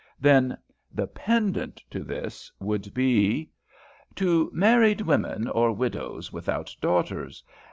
"Then the pendant to this would be, "'To Married Women or Widows without Daughters.